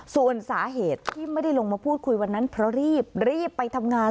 ส่วนสาเหตุที่ไม่ได้ลงมาพูดคุยวันนั้นเพราะรีบรีบไปทำงาน